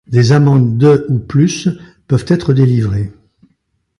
Des amendes de ou plus peuvent être délivrées.